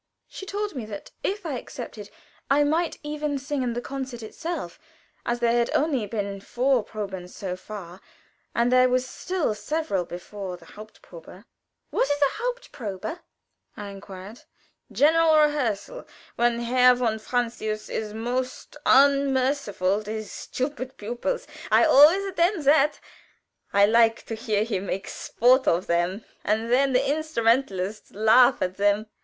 She told me that if I accepted I might even sing in the concert itself, as there had only been four proben so far, and there were still several before the haupt probe. "What is the haupt probe?" I inquired. "General rehearsal when Herr von Francius is most unmerciful to his stupid pupils. I always attend that. I like to hear him make sport of them, and then the instrumentalists laugh at them.